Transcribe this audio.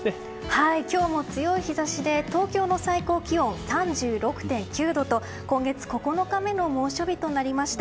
今日も強い日差しで東京の最高気温は３６．９度と今月９日目の猛暑日となりました。